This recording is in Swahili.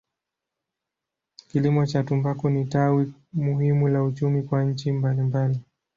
Kilimo cha tumbaku ni tawi muhimu la uchumi kwa nchi mbalimbali.